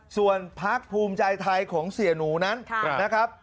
ส่วนพักภูมิใจไทยของเสียหนูนั้นนะครับ